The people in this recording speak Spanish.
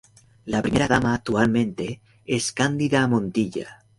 La Primera Dama actualmente es Cándida Montilla.